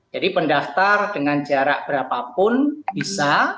jadi pendaftar dengan jarak berapapun bisa